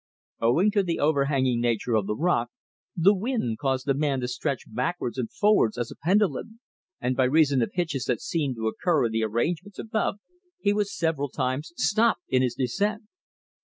Owing to the overhanging nature of the rock the wind caused the man to swing backwards and forwards as a pendulum, and by reason of hitches that seemed to occur in the arrangements above he was several times stopped in his descent.